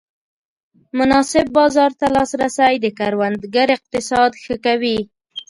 مناسب بازار ته لاسرسی د کروندګر اقتصاد ښه کوي.